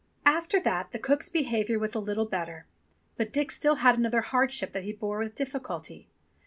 After that the cook's behaviour was a little better, but Dick still had another hardship that he bore with difficulty.